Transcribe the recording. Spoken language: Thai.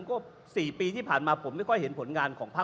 คุณจิลายุเขาบอกว่ามันควรทำงานร่วมกัน